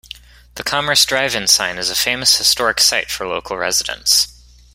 The Commerce Drive-In sign is a famous historic site for local residents.